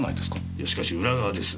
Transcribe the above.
いやしかし裏側です。